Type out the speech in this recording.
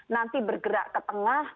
nanti bergerak ke tengah